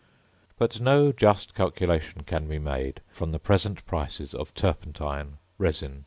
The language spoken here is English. But no just calculation can be made from the present prices of turpentine, resin, &c.